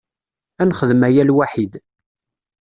Ad nexdem aya lwaḥid.